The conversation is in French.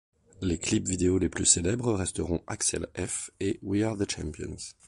Les clips vidéos les plus célèbres resteront Axel F et We Are The Champions.